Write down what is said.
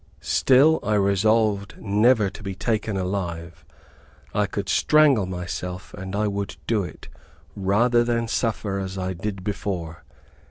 Still, I resolved never to be taken alive. I could strangle myself, and I would do it, rather than suffer as I did before.